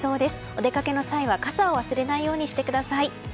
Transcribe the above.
お出かけの際は傘を忘れないようにしてください。